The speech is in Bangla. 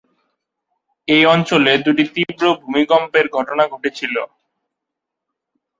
এই অঞ্চলে দুটি তীব্র ভূমিকম্পের ঘটনা ঘটেছিল।